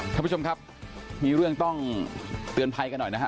ท่านผู้ชมครับมีเรื่องต้องเตือนภัยกันหน่อยนะฮะ